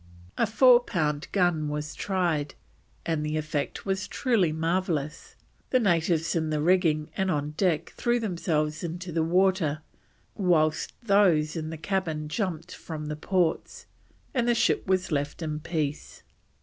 A four pound gun was tried, and the effect was truly marvellous; the natives in the rigging and on deck threw themselves into the water, whilst those in the cabin jumped from the ports, and the ship was left in peace.